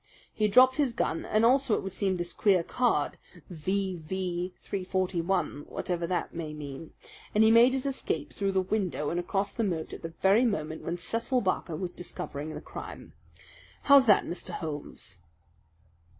He dropped his gun and also it would seem this queer card V.V. 341, whatever that may mean and he made his escape through the window and across the moat at the very moment when Cecil Barker was discovering the crime. How's that, Mr. Holmes?"